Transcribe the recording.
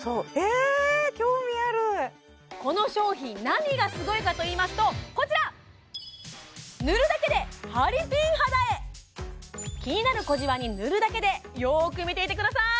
この商品何がすごいかといいますとこちら気になる小じわに塗るだけでよーく見ていてください